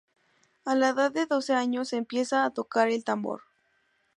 A la edad de doce años empieza a tocar el tambor.